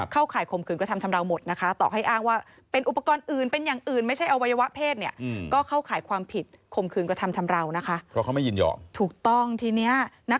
เข้าข่ายขมคืนกระทำชำเลาหมดนะคะต่อให้อ้างว่าเป็นอุปกรณ์อื่นเป็นอย่างอื่นไม่ใช่อวัยวะเพศเนี่ย